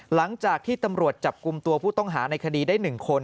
หลังจากที่ตำรวจจับกลุ่มตัวผู้ต้องหาในคดีได้๑คน